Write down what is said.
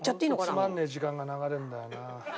つまんねえ時間が流れるんだよな。